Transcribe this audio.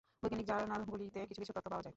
বৈজ্ঞানিক জার্নালগুলিতে কিছু কিছু তথ্য পাওয়া যায়।